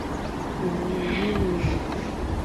Waingereza na Waafrika pamoja na Kings